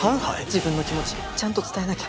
自分の気持ちちゃんと伝えなきゃ。